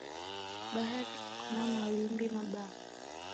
Bahari eko na mawimbi mabaa.